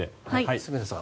住田さん